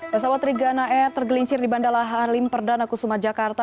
pesawat trigana air tergelincir di bandara halim perdana kusuma jakarta